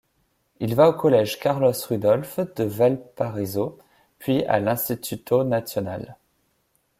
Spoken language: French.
Il va au collège Carlos Rudolf de Valparaiso puis à l'Instituto Nacional.